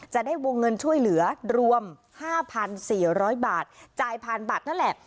จะได้วงเงินช่วยเหลือรวม๕๔๐๐บาทจ่ายผ่านบัตรนั่นแหละ